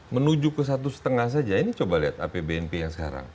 menuju ke satu lima saja ini coba lihat apbnp yang sekarang